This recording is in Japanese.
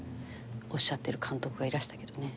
おっしゃってる監督がいらしたけどね。